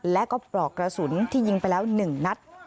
และก็ปลอกกระสุนที่ยิงไปแล้ว๑นัด